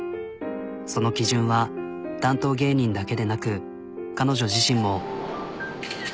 その基準は担当芸人だけでなく彼女自身も。